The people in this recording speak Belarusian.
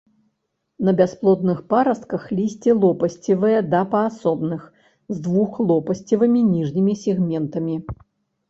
На бясплодных парастках лісце лопасцевае да паасобных, з двухлопасцевымі ніжнімі сегментамі.